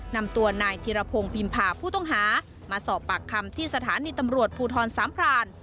นำตัวนายธิรพงศ์พิมพาผู้ต้องหามาสอบปากคำที่สถานีตำรวจภูทรสามพราน